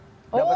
oh hadiah sunat